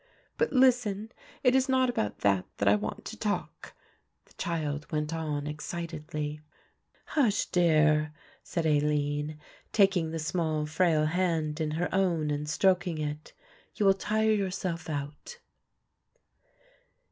But listen, it is not about that that I want to talk," the child went on excitedly. "Hush, dear," said Aline, taking the small frail hand in her own and stroking it, "you will tire yourself out."